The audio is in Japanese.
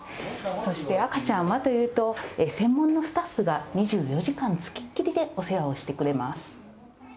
そして赤ちゃんはというと、専門のスタッフが２４時間付きっきりでお世話をしてくれます。